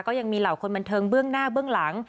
ก็ยังมีเหล่าคนบันเทิงเบื้องหน้าเบื้องหลัง